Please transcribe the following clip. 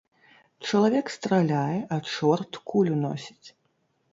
Чалавек страляе, а чорт кулю носіць.